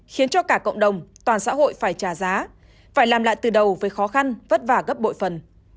khiến cho cả cộng đồng toàn xã hội phải trả giá phải làm lại từ đầu với khó khăn vất vả gấp bội phần